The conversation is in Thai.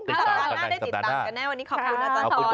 ติดตามกันได้ติดตามกันได้วันนี้ขอบคุณอาจารย์ค่ะ